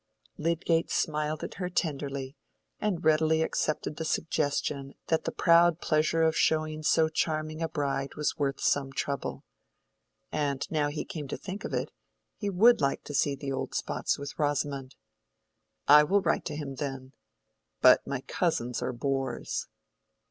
Lydgate smiled at her tenderly, and really accepted the suggestion that the proud pleasure of showing so charming a bride was worth some trouble. And now he came to think of it, he would like to see the old spots with Rosamond. "I will write to him, then. But my cousins are bores."